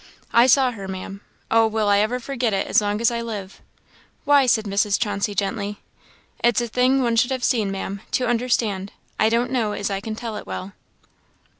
"I saw her, Ma'am. Oh, will I ever forget it as long as I live!" "Why?" said Mrs. Chauncey, gently. "It's a thing one should have seen, Ma'am, to understand. I don't know as I can tell in well."